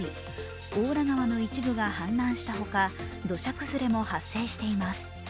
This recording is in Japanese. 大良川の一部が氾濫するほか土砂崩れも発生しています。